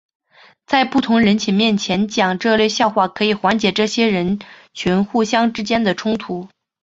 在不同人群面前讲这类笑话可以缓解这些人群互相之间的冲突。